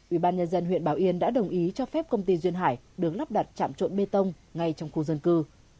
ubnd huyện bảo yên đã đồng ý cho phép công ty duyên hải được lắp đặt chạm trộn bê tông ngay trong khu dân cư